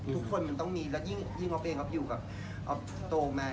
ทุกคนมันต้องมียิ่งออฟเองครับอยู่กับออฟโตมา